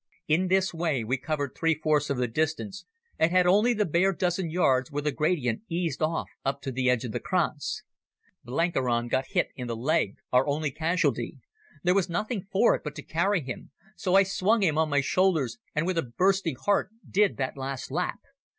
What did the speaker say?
In this way we covered three fourths of the distance, and had only the bare dozen yards where the gradient eased off up to the edge of the kranz. Blenkiron got hit in the leg, our only casualty. There was nothing for it but to carry him, so I swung him on my shoulders, and with a bursting heart did that last lap.